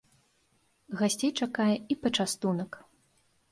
Гасцей чакае і пачастунак.